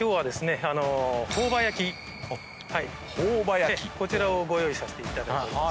こちらをご用意させていただいております。